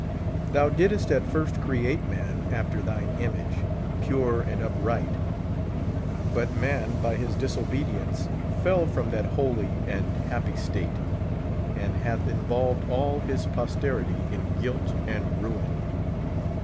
Thou didst at first create man after thine image, pure and upright ; but man, by his disobe dience, fell from that holy and happy state, and hath in volved all his posterity in guilt and ruin.